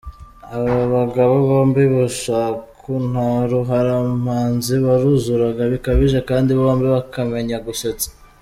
Abo bagabo bombi Bushaku na Ruhararamanzi baruzuraga bikabije kandi bombi bakamenya gusetsa.